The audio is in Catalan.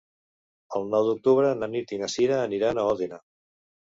El nou d'octubre na Nit i na Cira aniran a Òdena.